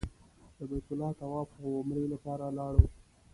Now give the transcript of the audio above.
د بیت الله طواف او عمرې لپاره لاړو.